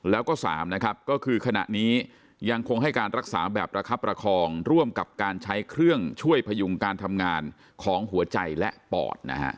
แล้วก็๓นะครับก็คือขณะนี้ยังคงให้การรักษาแบบระคับประคองร่วมกับการใช้เครื่องช่วยพยุงการทำงานของหัวใจและปอดนะฮะ